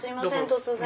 突然。